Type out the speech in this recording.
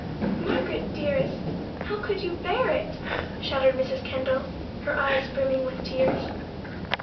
"Margaret, dearest! how could you bear it?" shuddered Mrs. Kendall, her eyes brimming with tears.